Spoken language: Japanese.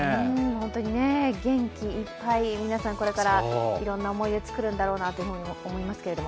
本当にね、元気いっぱい、皆さんこれからいろんな思い出を作るんだろうなと思いますけど。